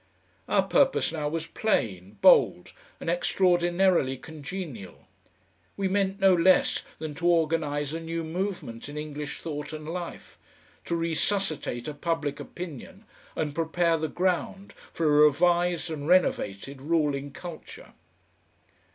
Our purpose now was plain, bold, and extraordinarily congenial. We meant no less than to organise a new movement in English thought and life, to resuscitate a Public Opinion and prepare the ground for a revised and renovated ruling culture.